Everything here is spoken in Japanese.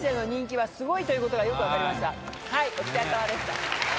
お疲れさまでした。